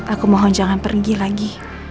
aku mohon jangan pergi lagi